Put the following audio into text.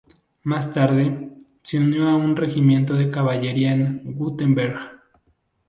Más tarde, se unió a un regimiento de caballería en Wurtemberg.